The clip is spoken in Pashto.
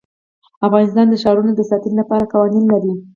افغانستان د ښارونو د ساتنې لپاره قوانین لري.